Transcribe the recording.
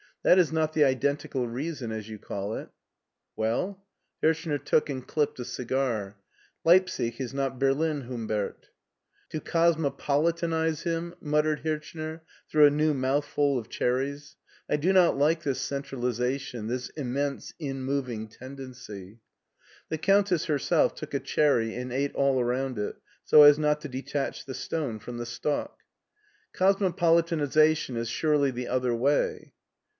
That is not the identical reason, as you call it." Well?" Hirchner took and clipped a cigar. Leipsic is not Berlin, Humbert" To cosmopolitanize him," muttered Hirchner through a new mouthful of cherries ;" I do not like this centralization, this immense inmoving tendency." The Countess herself took a cherry and ate all around it so as not to detach the stone from the stalk. " Cosmopolitanization is surely the other way."